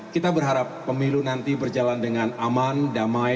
kita berharap pemilu nanti berjalan dengan aman damai